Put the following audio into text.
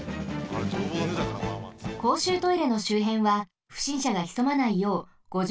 こうしゅうトイレのしゅうへんはふしんしゃがひそまないよう５０